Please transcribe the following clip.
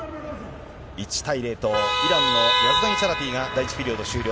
１対０と、イランのヤズダニチャラティが第１ピリオド終了。